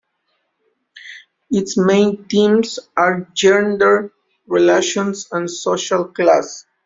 Its main themes are gender relations and social class.